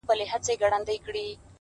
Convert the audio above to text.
له کارګه سره پنیر یې ولیدله!!